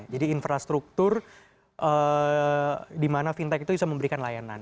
jadi infrastruktur di mana fintech itu bisa memberikan layanan